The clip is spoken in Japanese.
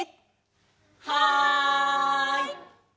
はい！